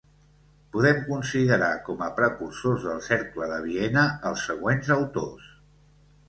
Podem considerar com a precursors del Cercle de Viena als següents autors.